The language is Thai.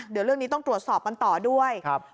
เดี๋ยวเรื่องนี้ต้องตรวจสอบกันต่อด้วย